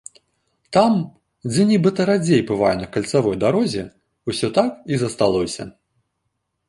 Там, дзе нібыта радзей бываю на кальцавой дарозе, усё так і засталося.